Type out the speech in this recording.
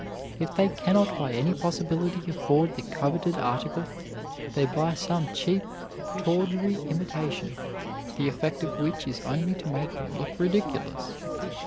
If they can not by any possibility afford the coveted article, they buy some cheap, tawdry imitation, the effect of which is only to make them look ridiculous.